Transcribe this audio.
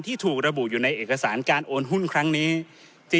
ถูกระบุอยู่ในเอกสารการโอนหุ้นครั้งนี้